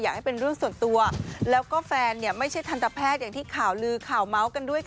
ให้เป็นเรื่องส่วนตัวแล้วก็แฟนเนี่ยไม่ใช่ทันตแพทย์อย่างที่ข่าวลือข่าวเมาส์กันด้วยค่ะ